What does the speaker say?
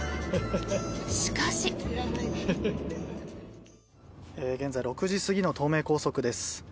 しかし。現在、６時過ぎの東名高速です。